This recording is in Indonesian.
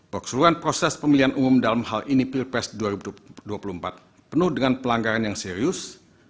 keseluruhan proses pemilihan umum dalam hal ini pilpres dua ribu dua puluh empat penuh dengan pelanggaran yang serius